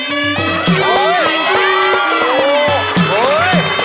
มีชื่อว่าโนราตัวอ่อนครับ